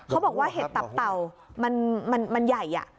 เขาบอกว่าเห็ดตับเต่ามันใหญ่